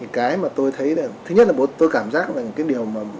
cái mà tôi thấy là thứ nhất là tôi cảm giác là